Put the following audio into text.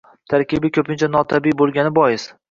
Tarkibi ko‘pincha notabiiy bo‘lgani bois